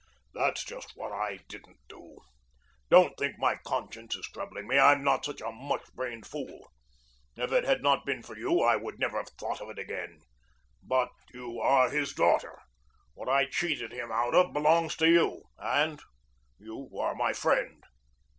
"That's just what I didn't do. Don't think my conscience is troubling me. I'm not such a mush brained fool. If it had not been for you I would never have thought of it again. But you are his daughter. What I cheated him out of belongs to you and you are my friend."